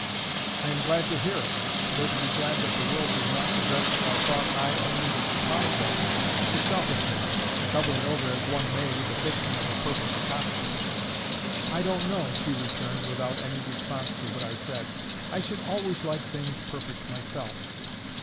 "I am glad to hear it—though to be glad that the world does not possess what I thought I only was deprived of, is selfishness, cover it over as one may with the fiction of a perfect copy." "I don't know," she returned, without any response to what I said. "I should always like things perfect myself."